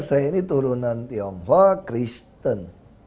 saya ini turunan tionghoa kristen